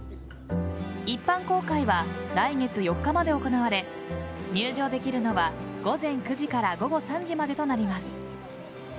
一般公開は来月４日まで行われ入場できるのは午前９時から午後３時までとなります。